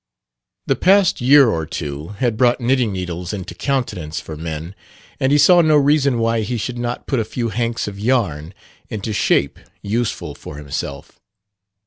The past year or two had brought knitting needles into countenance for men, and he saw no reason why he should not put a few hanks of yarn into shape useful for himself.